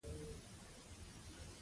زه هره ورځ ورزش کوم